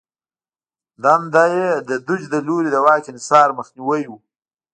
دنده یې د دوج له لوري د واک انحصار مخنیوی و